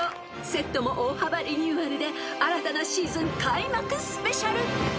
［セットも大幅リニューアルで新たなシーズン開幕ＳＰ］